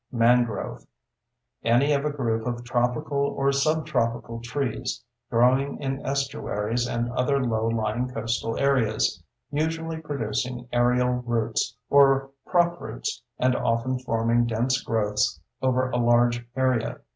MANGROVE: Any of a group of tropical or subtropical trees, growing in estuaries and other low lying coastal areas, usually producing aerial roots or prop roots and often forming dense growths over a large area.